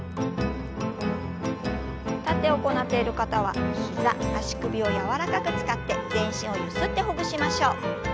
立って行っている方は膝足首を柔らかく使って全身をゆすってほぐしましょう。